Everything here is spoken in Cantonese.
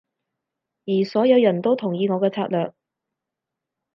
而所有人都同意我嘅策略